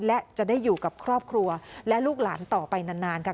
และจะได้อยู่กับครอบครัวและลูกหลานต่อไปนานค่ะ